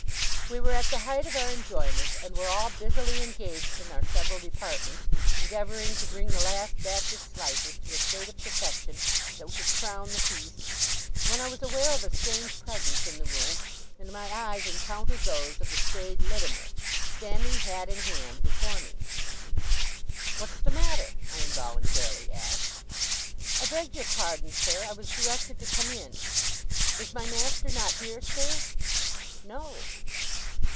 We were at the height of our enjoyment, and were all busily engaged, in our several departments, endeavouring to bring the last batch of slices to a state of perfection that should crown the feast, when I was aware of a strange presence in the room, and my eyes encountered those of the staid Littimer, standing hat in hand before me. 'What's the matter?' I involuntarily asked. 'I beg your pardon, sir, I was directed to come in. Is my master not here, sir?' 'No.